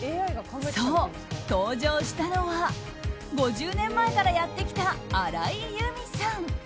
そう、登場したのは５０年前からやってきた荒井由実さん。